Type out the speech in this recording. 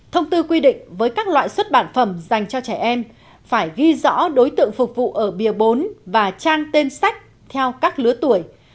thông tư quy định với các loại xuất bản phẩm dành cho trẻ em phải ghi rõ đối tượng phục vụ ở bìa bốn và trang tên sách theo các lứa tuổi